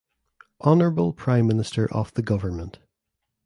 Honorable Prime Minister of the Govt.